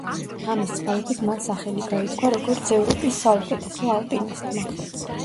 ამის წყალობით მან სახელი გაითქვა, როგორც ევროპის საუკეთესო ალპინისტმა.